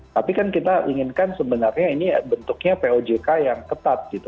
tapi kan kita inginkan sebenarnya ini bentuknya pojk yang ketat gitu